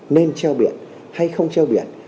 nên treo biển hay không treo biển